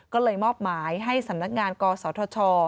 ก็เลยมอบหมายให้สำนักงานกศธช